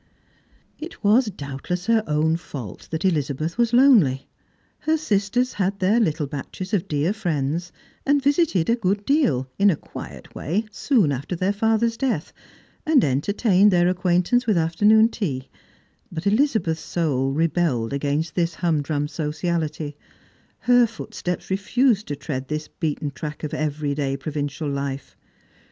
It was, douotless, her own fault that Elizabeth was lonely. Her sisters had their little batches of dear friends, and visited a good deal in a quiet way soon after their father's death, and entertained their acquaintance with afternoon tea; but jRlizabeth's soul rebelled against this humdrum sociality ; her footsteps refused to tread this beaten track of every day pro vincial life.